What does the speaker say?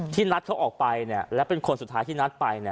นัดเขาออกไปและเป็นคนสุดท้ายที่นัดไป